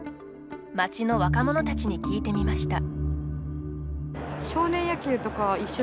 街の若者たちに聞いてみました。